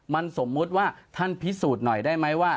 มันสมมุติว่าท่านพิสูจน์หน่อยได้ไหมว่า